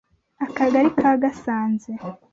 Akagali ka Gasanze